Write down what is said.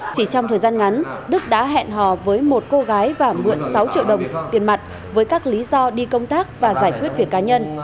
chỉ trong thời gian ngắn đức đã hẹn hò với một cô gái và mượn sáu triệu đồng tiền mặt với các lý do đi công tác và giải quyết việc cá nhân